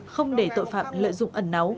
không để tội phạm lợi dụng ẩn náu